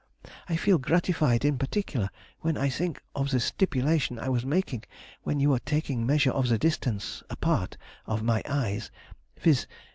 I feel gratified in particular when I think of the stipulation I was making when you were taking measure of the distance [apart] of my eyes: viz.